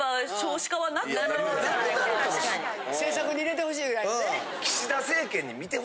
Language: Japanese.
政策に入れてほしいぐらいよね。